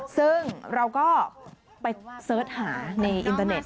ซึ่งเราก็ไปเสิร์ชหาในอินเตอร์เน็ต